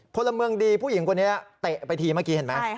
พลเมืองดีผู้หญิงคนนี้เตะไปทีเมื่อกี้เห็นไหม